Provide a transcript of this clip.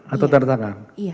atau tanda tangan